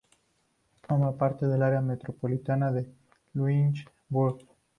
Forma parte del área metropolitana de Lynchburg.